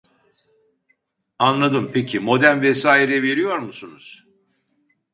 Anladım peki modem vesaire veriyor musunuz